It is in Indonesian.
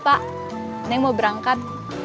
pak saya mau berangkat